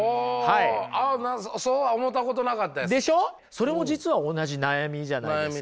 それも実は同じ悩みじゃないですか。